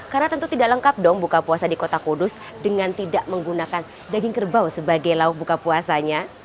karena tentu tidak lengkap dong buka puasa di kota kudus dengan tidak menggunakan daging kerbau sebagai lauk buka puasanya